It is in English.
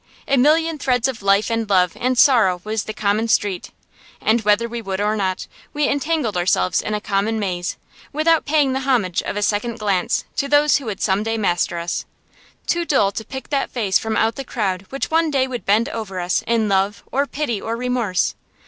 A million threads of life and love and sorrow was the common street; and whether we would or not, we entangled ourselves in a common maze, without paying the homage of a second glance to those who would some day master us; too dull to pick that face from out the crowd which one day would bend over us in love or pity or remorse.